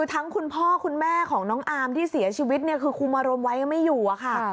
ทั้งคุณพ่อคุณแม่ของน้องอามที่เสียชีวิตคือคุมรมไว้ไม่อยู่ค่ะ